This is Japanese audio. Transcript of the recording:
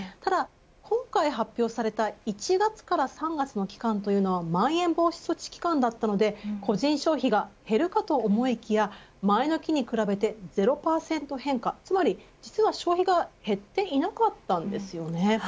今回発表された１月から３月の期間というのはまん延防止措置期間だったので個人消費が減るかと思いきや前の期に比べて０％変化、つまり実は消費が減っていませんでした。